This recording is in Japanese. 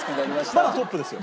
まだトップですよ。